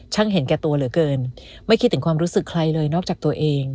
เห็นแก่ตัวเหลือเกินไม่คิดถึงความรู้สึกใครเลยนอกจากตัวเอง